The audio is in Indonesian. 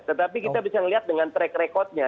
tetapi kita bisa ngeliat dengan track record nya